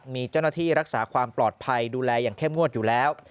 มีเจ้าหน้าที่รักษาความปลอดภัยดูแลอย่างเข้มงวดอยู่แล้ว